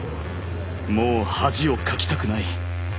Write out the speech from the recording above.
「もう恥をかきたくない」。